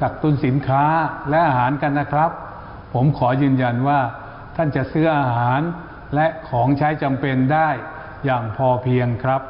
กักตุ้นสินค้าและอาหารกันนะครับผมขอยืนยันว่าท่านจะซื้ออาหารและของใช้จำเป็นได้อย่างพอเพียงครับ